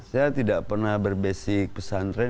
saya tidak pernah berbasik pesantren